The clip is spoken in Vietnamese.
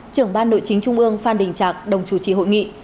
trưởng ban nội chính trung ương phan đình trạc đồng chủ trì hội nghị